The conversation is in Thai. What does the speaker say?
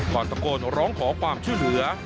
ก่อนตะโกนร้องขอความช่วยเหลือ